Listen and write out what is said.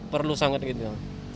perlu sangat gitu